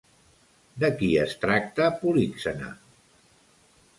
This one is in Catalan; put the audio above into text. De qui es tracta Políxena?